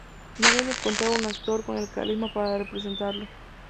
No habían encontrado un actor con el carisma para representarlo.